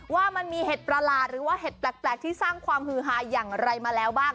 ว่ามันมีเห็ดประหลาดหรือว่าเห็ดแปลกที่สร้างความฮือฮาอย่างไรมาแล้วบ้าง